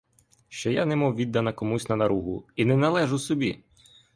Що я немов віддана комусь на наругу і не належу собі!